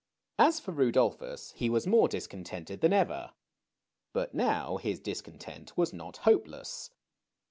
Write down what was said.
As for Rudolphus, he was more discontented than ever. But now his discontent was not hopeless.